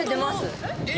え！